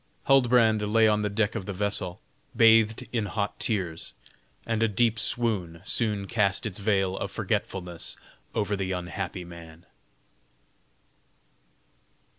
Huldbrand lay on the deck of the vessel, bathed in hot tears, and a deep swoon soon cast its veil of forgetfulness over the unhappy man.